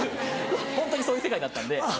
ホントにそういう世界だったんで。